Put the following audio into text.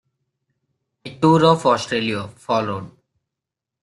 A tour of Australia followed.